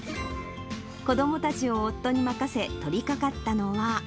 子どもたちを夫に任せ、取りかかったのは。